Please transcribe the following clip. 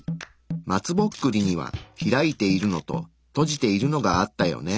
松ぼっくりには開いているのと閉じているのがあったよね。